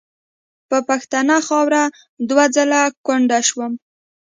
په پښتنه خاوره دوه ځله کونډه شومه .